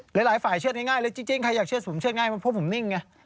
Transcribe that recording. หรือหลายฝ่ายเชื่อดง่ายหรือจริงใครอยากเชื่อดง่ายผมเชื่อดง่ายเพราะผมนิ่งไง